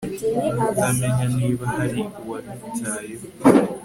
kutamenya niba hari uwabitayeho